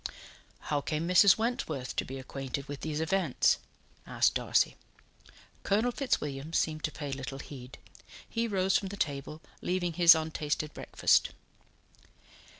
"How came Mrs. Wentworth to be acquainted with these events?" asked Darcy. Colonel Fitzwilliam seemed to pay little heed; he rose from the table, leaving his untasted breakfast.